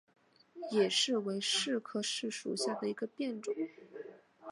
野柿为柿科柿属下的一个变种。